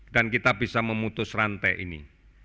dan kita bisa memutus rantai ini